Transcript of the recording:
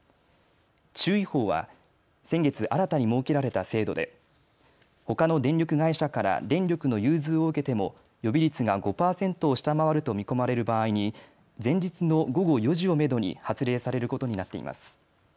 注意報は先月、新たに設けられた制度で、ほかの電力会社から電力の融通を受けても予備率が５％を下回ると見込まれる場合に前日の午後４時をめどに発令されることになっています。